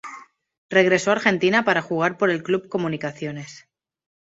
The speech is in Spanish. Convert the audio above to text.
Regresó a Argentina para jugar por el club Comunicaciones.